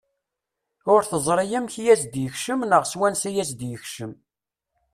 Ur teẓri amek i as-d-yekcem neɣ s wansa i as-d-yekcem.